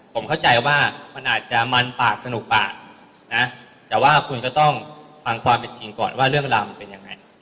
ผมเข้าใจว่ามันอาจจะมันปากสนุกปากนะแต่ว่าคุณก็ต้องฟังความเป็นจริงก่อนว่าเรื่องราวมันเป็นยังไง